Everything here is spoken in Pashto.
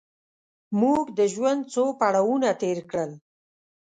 موږ د ژوند څو پړاوونه تېر کړل.